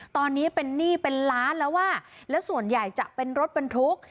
ตอนนี้เป็นหนี้เป็นล้านแล้วอ่ะแล้วส่วนใหญ่จะเป็นรถบรรทุก